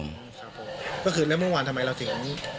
เมื่อวานทำไมเราถึง